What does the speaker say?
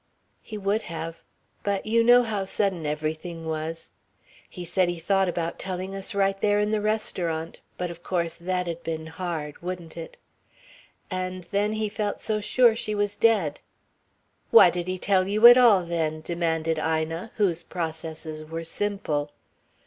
"He would have. But you know how sudden everything was. He said he thought about telling us right there in the restaurant, but of course that'd been hard wouldn't it? And then he felt so sure she was dead." "Why did he tell you at all, then?" demanded Ina, whose processes were simple.